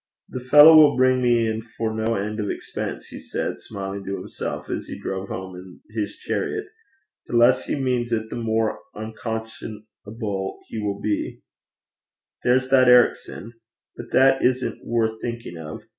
'The fellow will bring me in for no end of expense,' he said, smiling to himself, as he drove home in his chariot. 'The less he means it the more unconscionable he will be. There's that Ericson but that isn't worth thinking of.